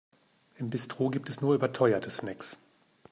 Im Bistro gibt es nur überteuerte Snacks.